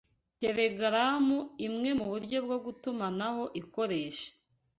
telegaramu imwe muburyo bwo gutumanaho ikoresha